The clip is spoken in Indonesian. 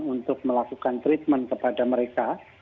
untuk melakukan treatment kepada mereka